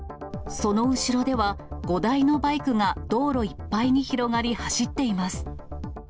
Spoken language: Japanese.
その後ろでは、５台のバイクが道路いっぱいに広がり、走っています。